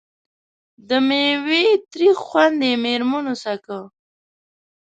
د میوې تریخ خوند یې مېرمنو څکه.